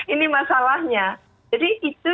ini masalahnya jadi itu